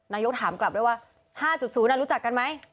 นายกถามกลับด้วยว่า๕๐รู้จักกันไหม